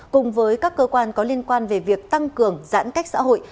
cùng với các cơ quan có liên quan về việc tăng cường giãn cách xã hội